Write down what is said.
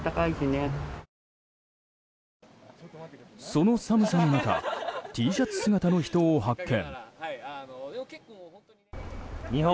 その寒さの中Ｔシャツ姿の人を発見。